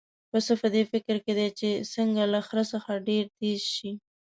پسه په دې فکر کې دی چې څنګه له خره څخه ډېر تېز شي.